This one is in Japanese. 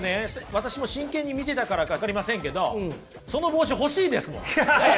私も真剣に見てたからか分かりませんけどその帽子欲しいですもん。